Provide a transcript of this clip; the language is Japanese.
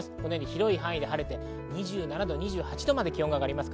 広い範囲で晴れて２７２８度まで気温が上がります。